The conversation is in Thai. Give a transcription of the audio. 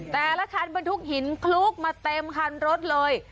แต่ละคันบรรทุกหินคลุกมาเต็มคันรถเลย